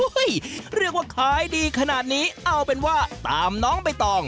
เรียกว่าขายดีขนาดนี้เอาเป็นว่าตามน้องใบตอง